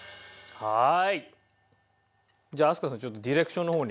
「」はい。